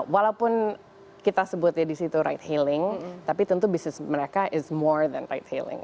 walaupun kita sebutnya di situ ride hailing tapi tentu bisnis mereka is more than ride hailing